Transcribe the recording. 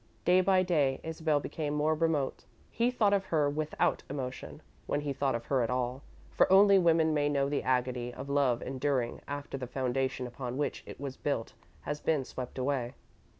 Day by day, Isabel became more remote. He thought of her without emotion when he thought of her at all, for only women may know the agony of love enduring after the foundation upon which it was built has been swept away.